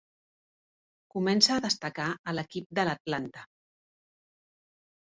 Comença a destacar a l'equip de l'Atlanta.